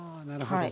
はい。